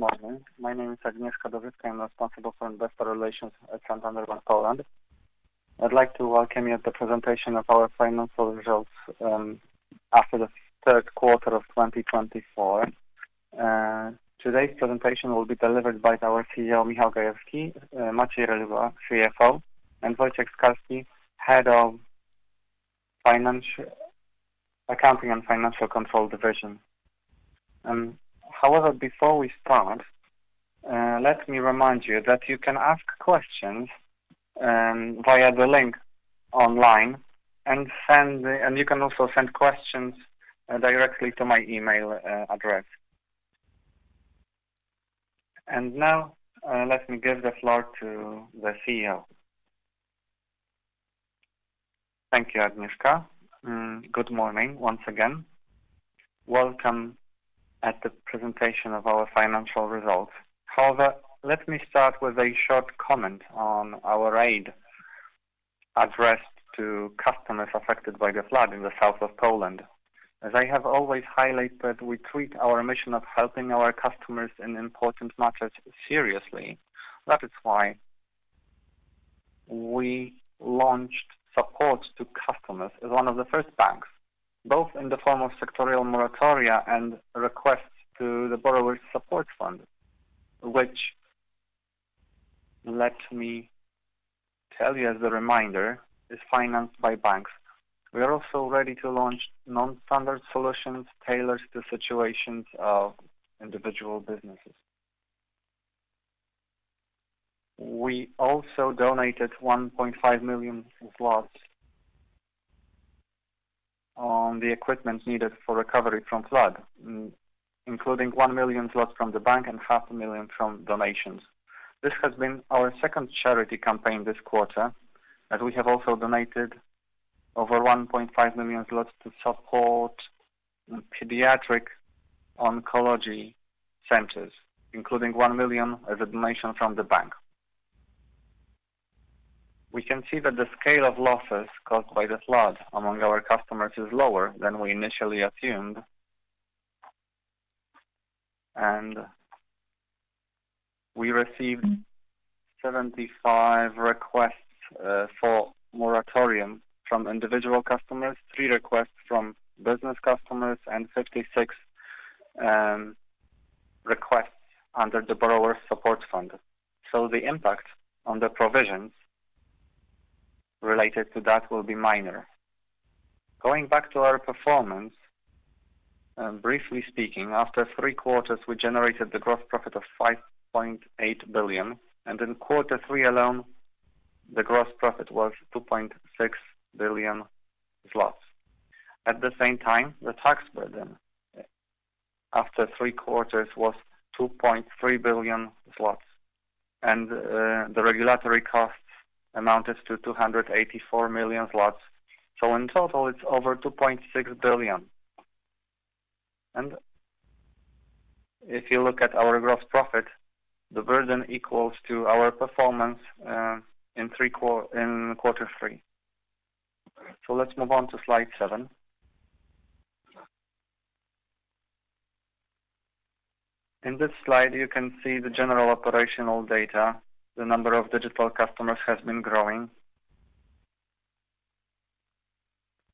Good morning. My name is Agnieszka Dowżycka. I'm responsible for investor relations at Santander Bank Polska. I'd like to welcome you at the presentation of our financial results after the third quarter of 2024. Today's presentation will be delivered by our CEO, Michał Gajewski, Maciej Reluga, CFO, and Wojciech Skalski, Head of Accounting and Financial Control Division. However, before we start, let me remind you that you can ask questions via the link online and send, and you can also send questions directly to my email address. And now, let me give the floor to the CEO. Thank you, Agnieszka. Good morning once again. Welcome at the presentation of our financial results. However, let me start with a short comment on our aid addressed to customers affected by the flood in the south of Poland. As I have always highlighted, we treat our mission of helping our customers in important matters seriously. That is why we launched support to customers as one of the first banks, both in the form of Sectoral Moratoria and requests to the Borrowers' Support Fund, which, let me tell you as a reminder, is financed by banks. We are also ready to launch non-standard solutions tailored to situations of individual businesses. We also donated PLN 1.5 million on the equipment needed for recovery from flood, including 1 million zlotys from the bank and 500,000 from donations. This has been our second charity campaign this quarter, as we have also donated over 1.5 million zlotys to support pediatric oncology centers, including 1 million as a donation from the bank. We can see that the scale of losses caused by the flood among our customers is lower than we initially assumed. We received 75 requests for moratorium from individual customers, three requests from business customers, and 56 requests under the Borrowers' Support Fund. The impact on the provisions related to that will be minor. Going back to our performance, briefly speaking, after three quarters, we generated the gross profit of 5.8 billion, and in quarter three alone, the gross profit was 2.6 billion zlotys. At the same time, the tax burden after three quarters was 2.3 billion zlotys, and the regulatory costs amounted to 284 million zlotys. In total, it's over 2.6 billion. If you look at our gross profit, the burden equals to our performance in quarter three. So let's move on to slide seven. In this slide, you can see the general operational data. The number of digital customers has been growing.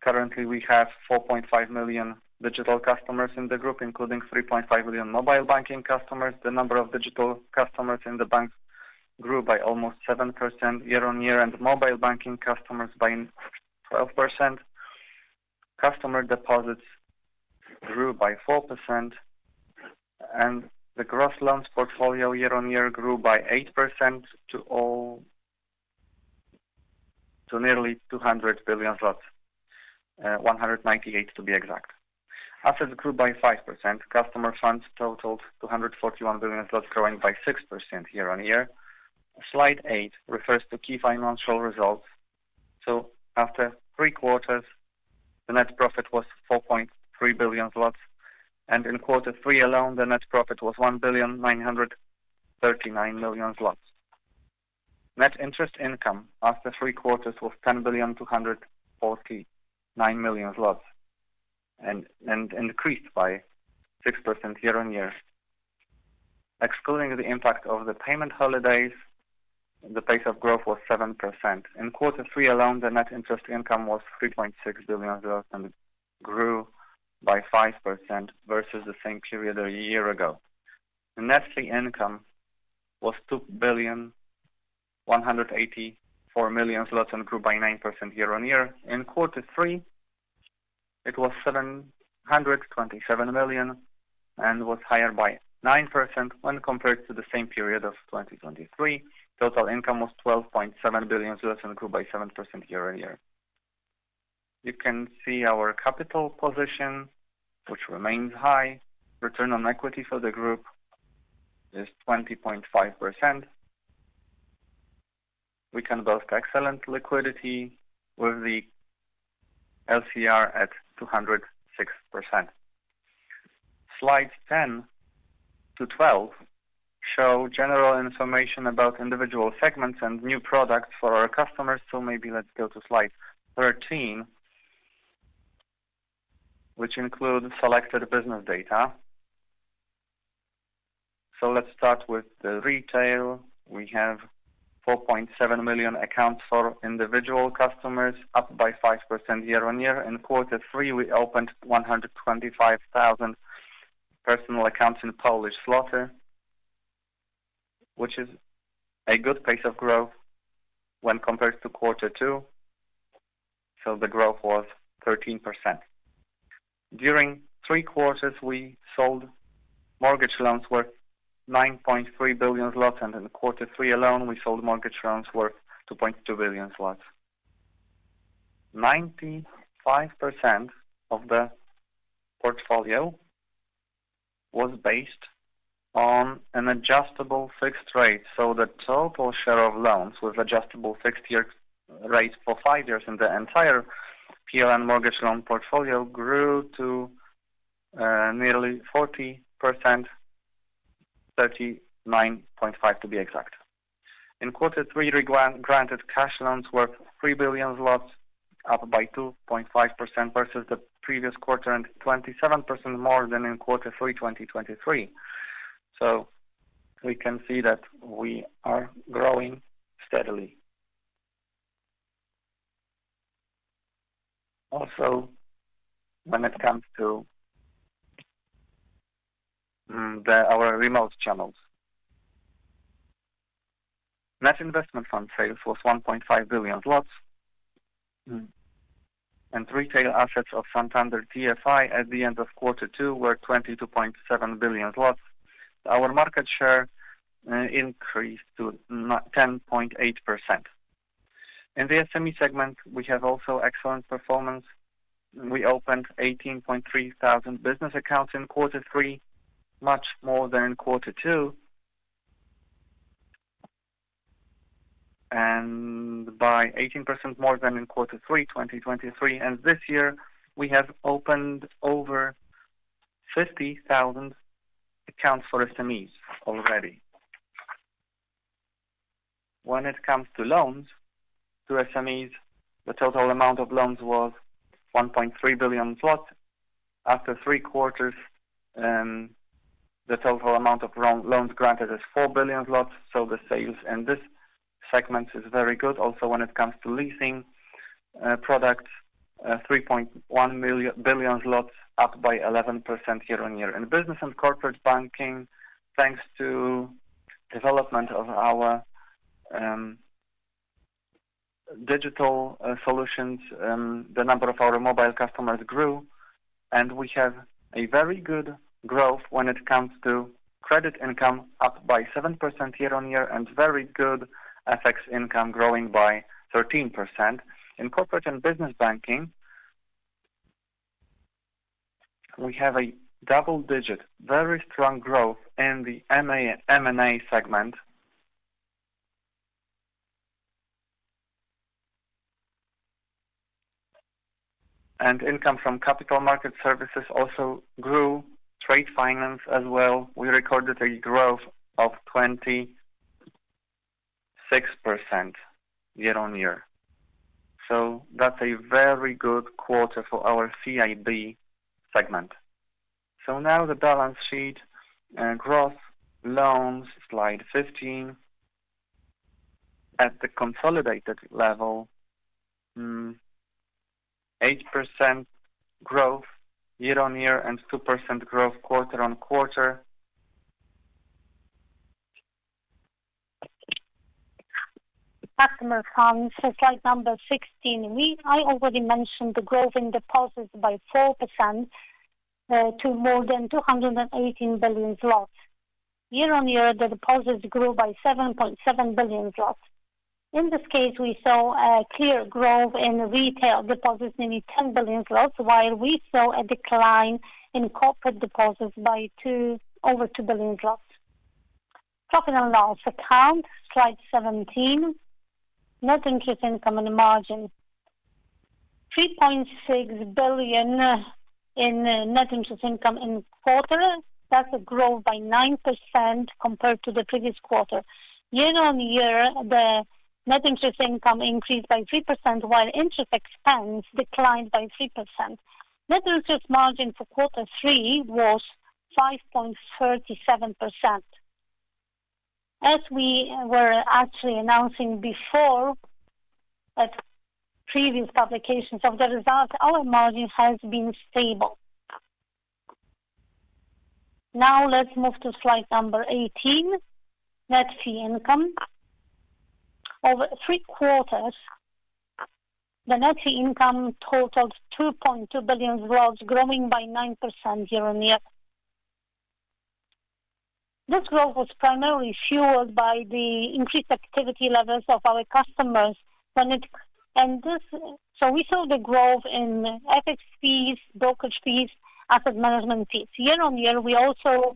Currently, we have 4.5 million digital customers in the group, including 3.5 million mobile banking customers. The number of digital customers in the bank grew by almost 7% year-on-year, and mobile banking customers by 12%. Customer deposits grew by 4%, and the gross loans portfolio year-on-year grew by 8% to nearly 200 billion zloty, 198 billion to be exact. Assets grew by 5%. Customer funds totaled 241 billion zloty, growing by 6% year-on-year. Slide eight refers to key financial results. After three quarters, the net profit was 4.3 billion zlotys, and in quarter three alone, the net profit was 1.939 billion. Net interest income after three quarters was 10.249 billion and increased by 6% year-on-year. Excluding the impact of the payment holidays, the pace of growth was 7%. In quarter three alone, the net interest income was PLN 3.6 billion, and it grew by 5% versus the same period a year ago. The net fee income was 2.184 billion and grew by 9% year-on-year. In quarter three, it was 727 million and was higher by 9% when compared to the same period of 2023. Total income was 12.7 billion and grew by 7% year-on-year. You can see our capital position, which remains high. Return on equity for the group is 20.5%. We can boast excellent liquidity, with the LCR at 206%. Slides ten to twelve show general information about individual segments and new products for our customers, so maybe let's go to slide thirteen, which include selected business data. So let's start with the retail. We have 4.7 million accounts for individual customers, up by 5% year-on-year. In quarter three, we opened 125,000 personal accounts in PLN, which is a good pace of growth when compared to quarter two. So the growth was 13%. During three quarters, we sold mortgage loans worth 9.3 billion zloty, and in quarter three alone, we sold mortgage loans worth 2.2 billion PLN. 95% of the portfolio was based on an adjustable fixed rate, so the total share of loans with adjustable fixed year rate for five years in the entire PLN mortgage loan portfolio grew to nearly 40%, 39.5%, to be exact. In quarter three, we granted cash loans worth 3 billion zlotys, up by 2.5% versus the previous quarter, and 27% more than in quarter three, 2023. We can see that we are growing steadily. Also, when it comes to our remote channels, net investment fund sales was 1.5 billion, and retail assets of Santander TFI at the end of quarter two were 22.7 billion. Our market share increased to 10.8%. In the SME segment, we have also excellent performance. We opened 18.3 thousand business accounts in quarter three, much more than in quarter two, and by 18% more than in quarter three, 2023, and this year we have opened over 50 thousand accounts for SMEs already. When it comes to loans to SMEs, the total amount of loans was 1.3 billion. After three quarters, the total amount of loans granted is 4 billion, so the sales in this segment is very good. Also, when it comes to leasing products, 3.1 billion zlotys, up by 11% year-on-year. In business and corporate banking, thanks to development of our digital solutions, the number of our mobile customers grew, and we have a very good growth when it comes to credit income, up by 7% year-on-year, and very good FX income, growing by 13%. In corporate and business banking, we have a double-digit, very strong growth in the M&A segment. Income from capital market services also grew, trade finance as well. We recorded a growth of 26% year-on-year. That's a very good quarter for our CIB segment. Now the balance sheet growth, loans, slide 15. At the consolidated level, 8% growth year-on-year and 2% growth quarter-on-quarter. Customer funds, so slide number sixteen. I already mentioned the growth in deposits by 4%, to more than 218 billion zlotys. Year-on-year, the deposits grew by 7.7 billion zlotys. In this case, we saw a clear growth in retail deposits, nearly 10 billion zlotys, while we saw a decline in corporate deposits by over 2 billion zlotys. Profit and loss account, slide seventeen. Net interest income and margin. 3.6 billion in net interest income in quarter. That's a growth by 9% compared to the previous quarter. Year-on-year, the net interest income increased by 3%, while interest expense declined by 3%. Net interest margin for quarter three was 5.37%. As we were actually announcing before, at previous publications of the results, our margin has been stable. Now, let's move to slide number 18, net fee income. Over three quarters, the net fee income totaled PLN 2.2 billion, growing by 9% year-on-year. This growth was primarily fueled by the increased activity levels of our customers, and this, so we saw the growth in FX fees, brokerage fees, asset management fees. Year-on-year, we also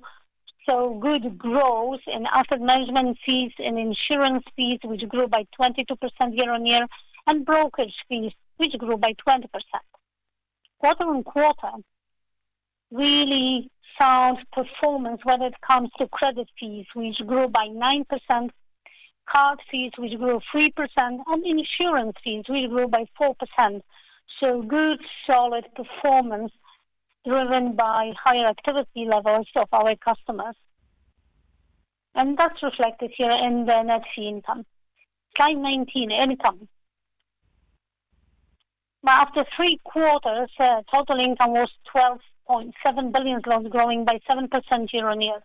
saw good growth in asset management fees and insurance fees, which grew by 22% year-on-year, and brokerage fees, which grew by 20%. Quarter-on-quarter, really sound performance when it comes to credit fees, which grew by 9%, card fees, which grew 3%, and insurance fees really grew by 4%, so good, solid performance, driven by higher activity levels of our customers. That's reflected here in the net fee income. Slide 19, income. Now, after three quarters, total income was 12.7 billion PLN, growing by 7% year-on-year.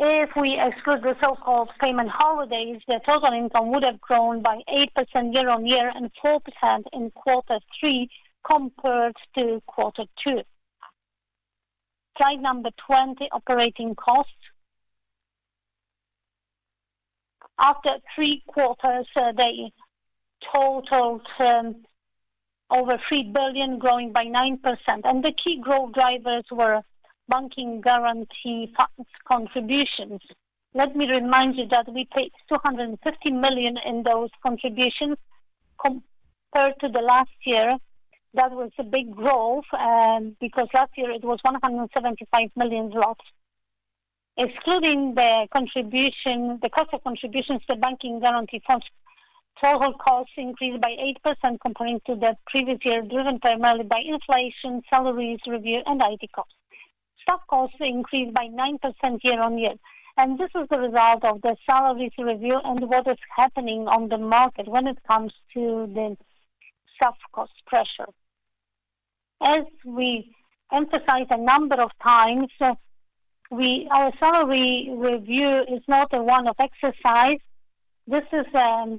If we exclude the so-called payment holidays, the total income would have grown by 8% year-on-year and 4% in quarter three compared to quarter two. Slide number 20, operating costs. After three quarters, so they totaled over 3 billion, growing by 9%, and the key growth drivers were Bank Guarantee Fund contributions. Let me remind you that we paid 250 million PLN in those contributions compared to the last year. That was a big growth, because last year it was 175 million PLN. Excluding the contribution, the cost of contributions, the Bank Guarantee Fund, total costs increased by 8% comparing to the previous year, driven primarily by inflation, salaries review, and IT costs. Staff costs increased by 9% year-on-year, and this is the result of the salaries review and what is happening on the market when it comes to the staff cost pressure. As we emphasize a number of times, our salary review is not a one-off exercise. This is a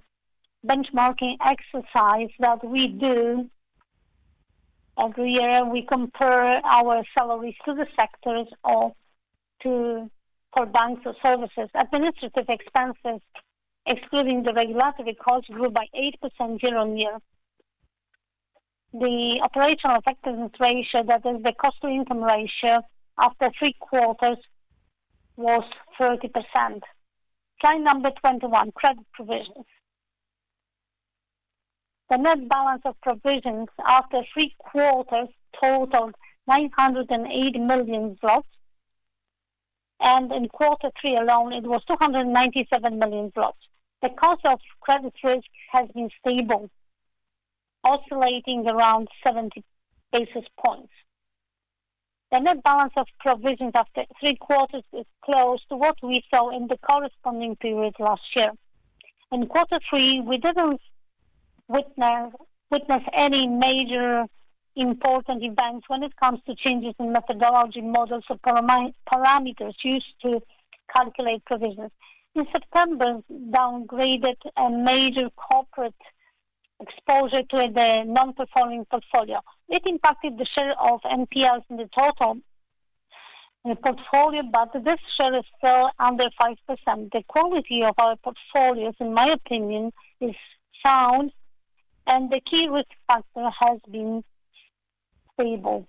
benchmarking exercise that we do every year. We compare our salaries to the sectors, to banks or services. Administrative expenses, excluding the regulatory costs, grew by 8% year-on-year. The operational effectiveness ratio, that is the cost to income ratio, after three quarters was 30%. Slide number 21, credit provisions. The net balance of provisions after three quarters totaled 908 million PLN, and in quarter three alone, it was 297 million PLN. The cost of credit risk has been stable, oscillating around seventy basis points. The net balance of provisions after three quarters is close to what we saw in the corresponding period last year. In quarter three, we didn't witness any major important events when it comes to changes in methodology, models, or parameters used to calculate provisions. In September, downgraded a major corporate exposure to the non-performing portfolio. It impacted the share of NPLs in the total, in the portfolio, but this share is still under 5%. The quality of our portfolios, in my opinion, is sound, and the key risk factor has been stable.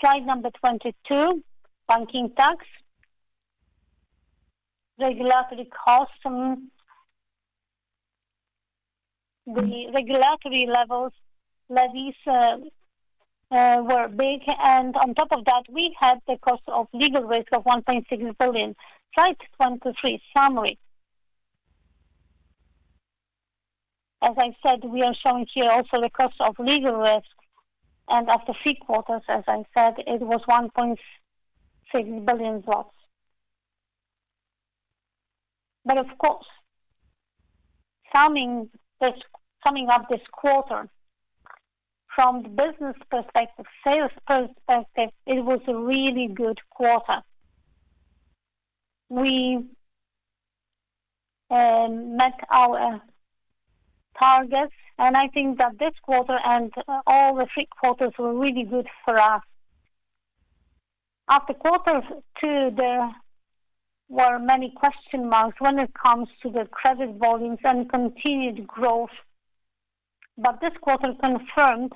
Slide number 22, banking tax. Regulatory costs. The regulatory levels, levies, were big, and on top of that, we had the cost of legal risk of 1.6 billion. Slide 23, summary. As I said, we are showing here also the cost of legal risk, and after three quarters, as I said, it was 1.6 billion PLN. But of course, summing up this quarter from the business perspective, sales perspective, it was a really good quarter. We met our targets, and I think that this quarter and all the three quarters were really good for us. After quarter two, there were many question marks when it comes to the credit volumes and continued growth, but this quarter confirmed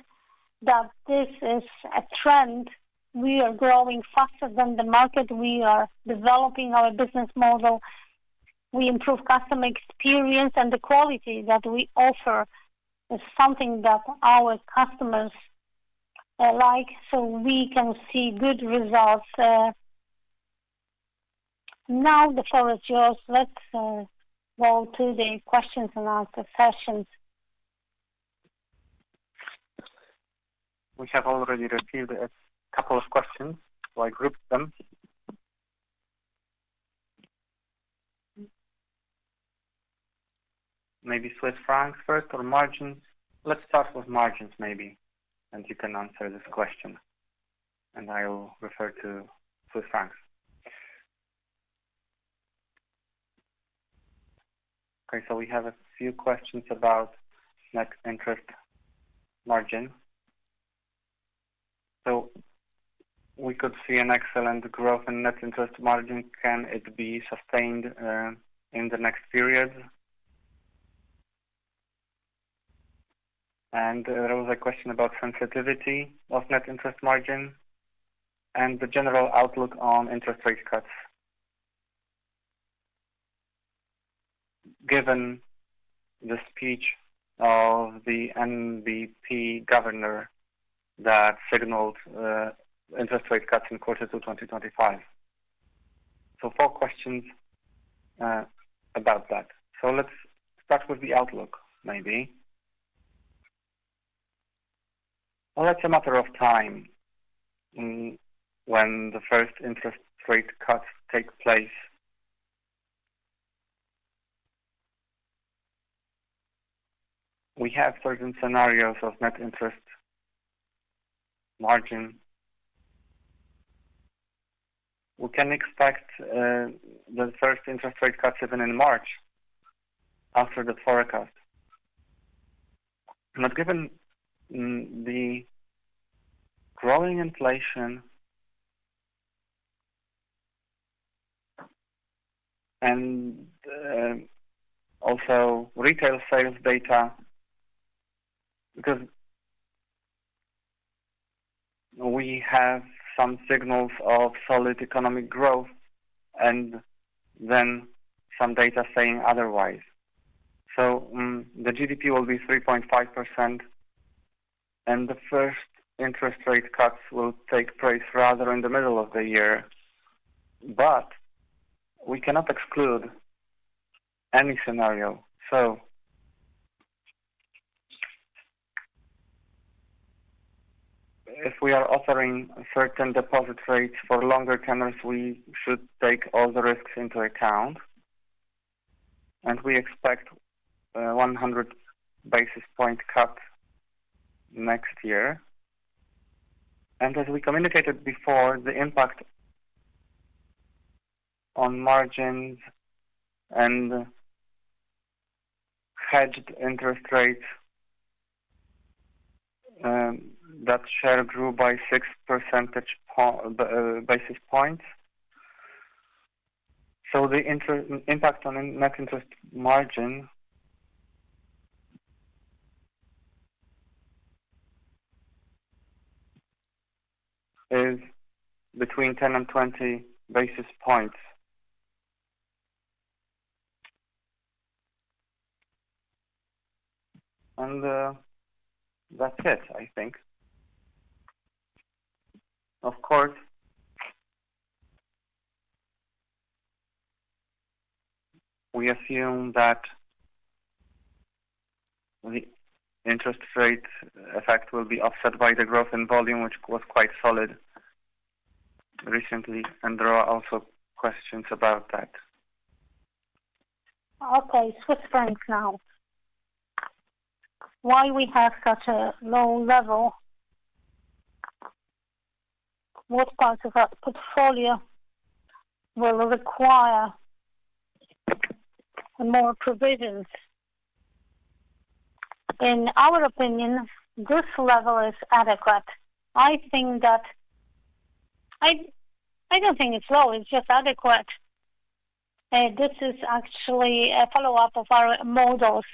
that this is a trend. We are growing faster than the market. We are developing our business model. We improve customer experience, and the quality that we offer is something that our customers like, so we can see good results. Now, the floor is yours. Let's go to the questions and answer sessions. We have already received a couple of questions, so I grouped them. Maybe Swiss francs first or margins? Let's start with margins, maybe, and you can answer this question, and I will refer to Swiss francs. Okay, so we have a few questions about net interest margin. So we could see an excellent growth in net interest margin. Can it be sustained in the next period? And there was a question about sensitivity of net interest margin and the general outlook on interest rate cuts. Given the speech of the NBP governor that signaled interest rate cuts in Q2 2025. So four questions about that. So let's start with the outlook, maybe. That's a matter of time when the first interest rate cuts take place. We have certain scenarios of net interest margin. We can expect the first interest rate cut even in March, after the forecast. But given the growing inflation and also retail sales data, because we have some signals of solid economic growth and then some data saying otherwise. So the GDP will be 3.5%, and the first interest rate cuts will take place rather in the middle of the year, but we cannot exclude any scenario. So if we are offering certain deposit rates for longer tenors, we should take all the risks into account, and we expect 100 basis point cut next year. And as we communicated before, the impact on margins and hedged interest rates, that share grew by six basis points. So the impact on net interest margin is between 10 and 20 basis points. And that's it, I think. Of course, we assume that the interest rate effect will be offset by the growth in volume, which was quite solid recently, and there are also questions about that. Okay, Swiss francs now. Why we have such a low level? What part of our portfolio will require more provisions? In our opinion, this level is adequate. I think that I don't think it's low, it's just adequate. This is actually a follow-up of our models.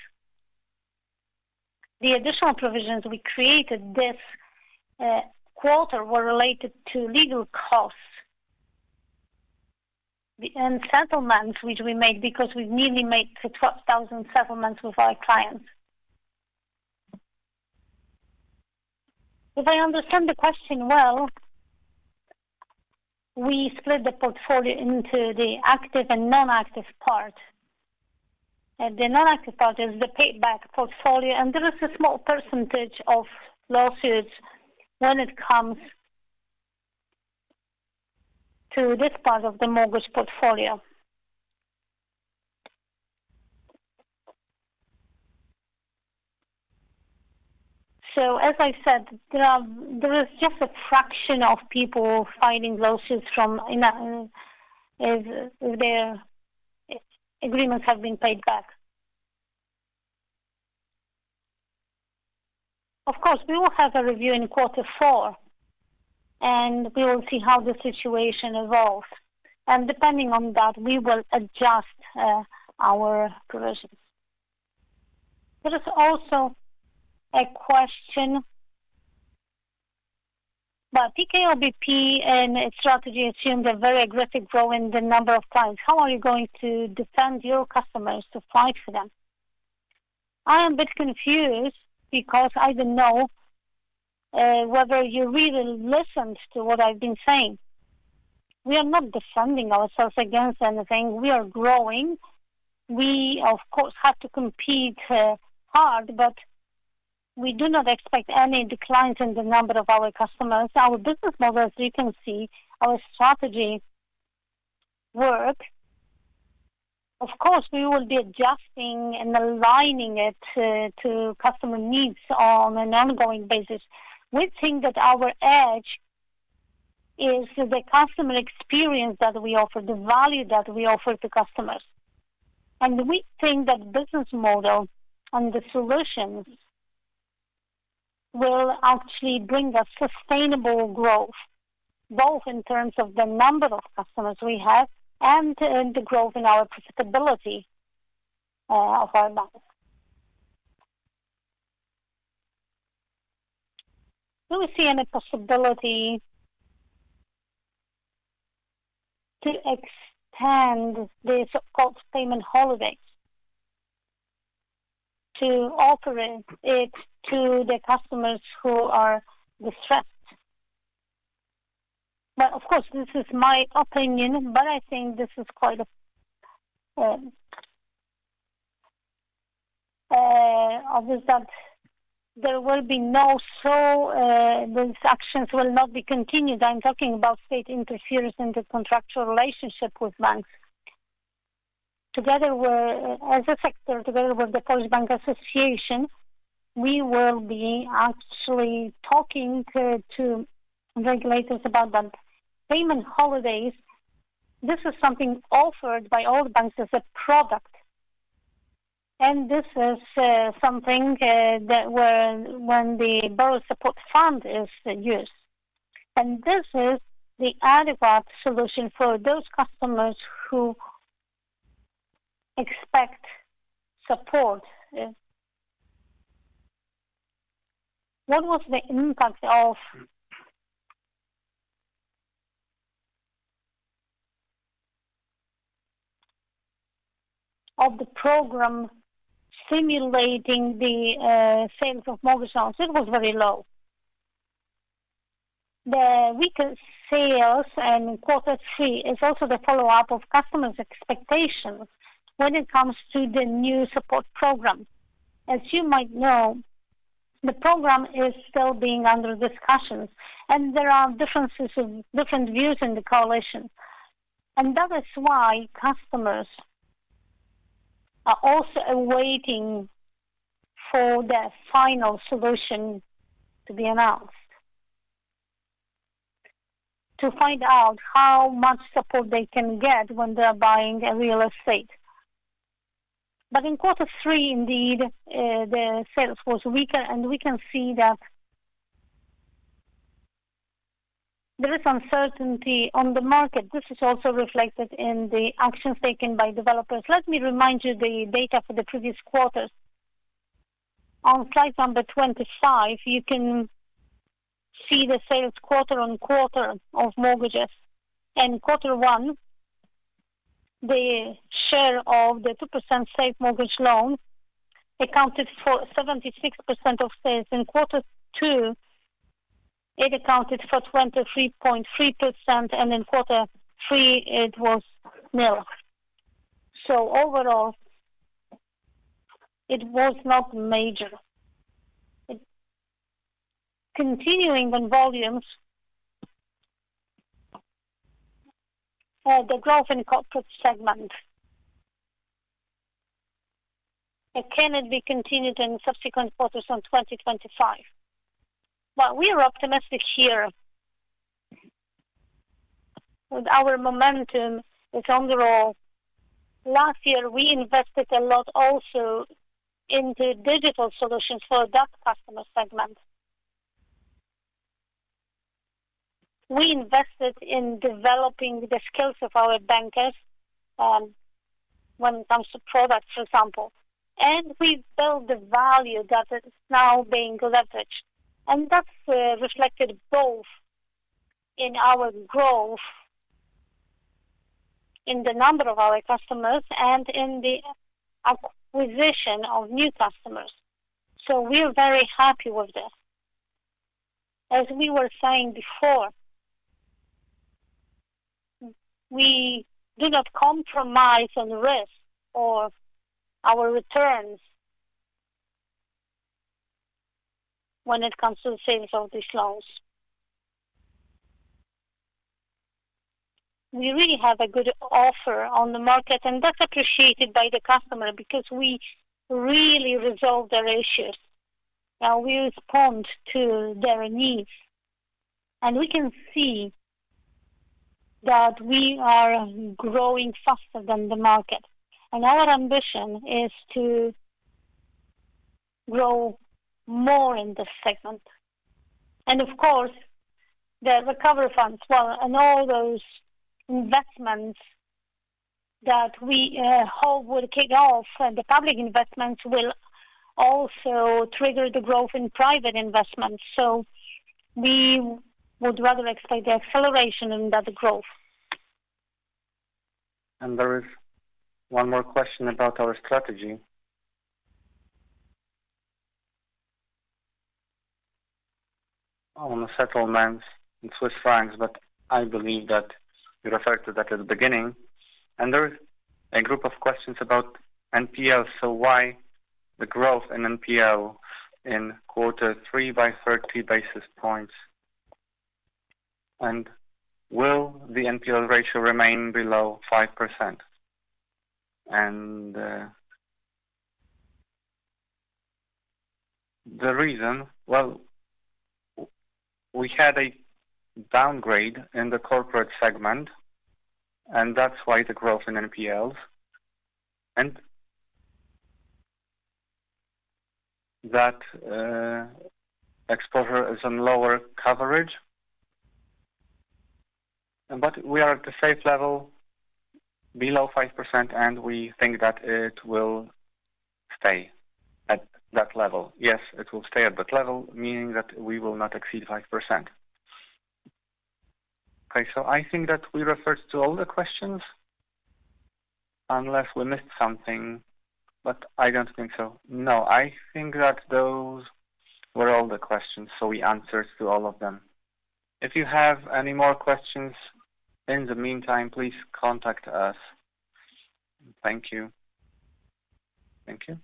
The additional provisions we created this quarter were related to legal costs and settlements, which we made because we've nearly made to twelve thousand settlements with our clients. If I understand the question well, we split the portfolio into the active and non-active part. And the non-active part is the paid back portfolio, and there is a small percentage of lawsuits when it comes to this part of the mortgage portfolio. So as I said, there is just a fraction of people filing lawsuits from in if their agreements have been paid back. Of course, we will have a review in quarter four, and we will see how the situation evolves, and depending on that, we will adjust our provisions. There is also a question, but PKO Bank Polski and its strategy assumed a very aggressive grow in the number of clients. How are you going to defend your customers to fight for them? I am a bit confused because I don't know whether you really listened to what I've been saying. We are not defending ourselves against anything. We are growing. We, of course, have to compete hard, but we do not expect any declines in the number of our customers. Our business model, as you can see, our strategy work. Of course, we will be adjusting and aligning it to customer needs on an ongoing basis. We think that our edge is the customer experience that we offer, the value that we offer to customers. We think that business model and the solutions will actually bring us sustainable growth, both in terms of the number of customers we have and in the growth in our profitability of our bank. Do we see any possibility to extend the so-called payment holidays to offer it to the customers who are distressed? Of course, this is my opinion, but I think this is quite obvious that there will be no such actions continued. I'm talking about state interference in the contractual relationship with banks. Together we're as a sector, together with the Polish Bank Association, we will be actually talking to regulators about that. Payment holidays, this is something offered by all banks as a product, and this is something that when the Borrowers' Support Fund is used, and this is the adequate solution for those customers who expect support. What was the impact of the program stimulating the sales of mortgage loans? It was very low. The weaker sales in quarter three is also the follow-up of customers' expectations when it comes to the new support program. As you might know, the program is still being under discussions, and there are differences of different views in the coalition. That is why customers are also awaiting for the final solution to be announced, to find out how much support they can get when they are buying a real estate. But in quarter three, indeed, the sales was weaker, and we can see that there is uncertainty on the market. This is also reflected in the actions taken by developers. Let me remind you the data for the previous quarters. On slide number 25, you can see the sales quarter on quarter of mortgages. In quarter one, the share of the 2% Safe Mortgage accounted for 76% of sales. In quarter two, it accounted for 23.3%, and in quarter three, it was nil. So overall, it was not major. Continuing the volumes, the growth in corporate segment, and can it be continued in subsequent quarters in 2025? We are optimistic here. With our momentum is on the roll. Last year, we invested a lot also into digital solutions for that customer segment. We invested in developing the skills of our bankers, when it comes to products, for example, and we built the value that is now being leveraged, and that's reflected both in our growth, in the number of our customers and in the acquisition of new customers. So we are very happy with this. As we were saying before, we do not compromise on risk or our returns when it comes to the sales of these loans. We really have a good offer on the market, and that's appreciated by the customer because we really resolve their issues, and we respond to their needs, and we can see that we are growing faster than the market, and our ambition is to grow more in this segment. Of course, the recovery funds well, and all those investments that we hope will kick off, and the public investments will also trigger the growth in private investments. We would rather expect the acceleration in that growth. And there is one more question about our strategy. On the settlements in Swiss francs, but I believe that you referred to that at the beginning. And there is a group of questions about NPL. So why the growth in NPL in quarter three by thirty basis points? And will the NPL ratio remain below 5%? And, the reason. Well, we had a downgrade in the corporate segment, and that's why the growth in NPLs. And that, exposure is on lower coverage. But we are at a safe level, below 5%, and we think that it will stay at that level. Yes, it will stay at that level, meaning that we will not exceed 5%. Okay, so I think that we referred to all the questions, unless we missed something, but I don't think so. No, I think that those were all the questions, so we answered to all of them. If you have any more questions in the meantime, please contact us. Thank you. Thank you.